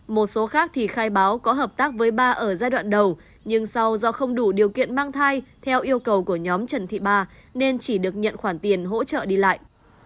một số khác thì khai báo có hợp tác với ba ở giai đoạn đầu nhưng sau do không đủ điều kiện mang thai theo yêu cầu của nhóm trần thị ba nên chỉ được nhận khoản tiền hỗ trợ đi lại